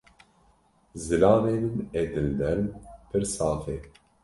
Zilamê min ê dilnerm, pir saf e.